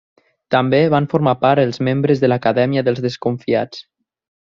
També van formar part els membres de l'Acadèmia dels Desconfiats.